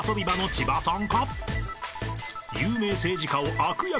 千葉さん！